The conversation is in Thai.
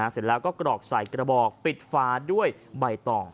เสร็จแล้วก็กรอกใส่กระบอกปิดฟ้าด้วยใบตอง